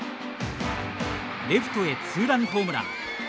レフトへ、ツーランホームラン。